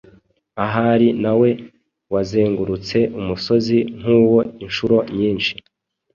Ahari nawe wazengurutse umusozi nk’uwo inshuro nyinshi